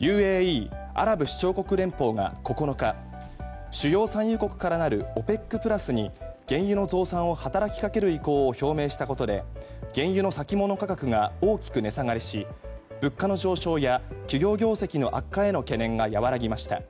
ＵＡＥ・アラブ首長国連邦が９日主要産油国からなるＯＰＥＣプラスに原油の増産を働きかける意向を表明したことで原油の先物価格が大きく値下がりし物価の上昇や企業業績の悪化への懸念が和らぎました。